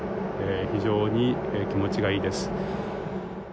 非常に気持ちがいいです。